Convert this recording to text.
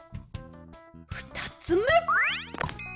ふたつめ！